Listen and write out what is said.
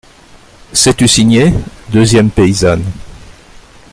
Sais-tu signer ? deuxième paysanne.